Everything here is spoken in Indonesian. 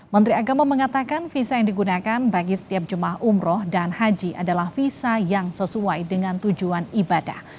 menteri agama mengatakan visa yang digunakan bagi setiap jemaah umroh dan haji adalah visa yang sesuai dengan tujuan ibadah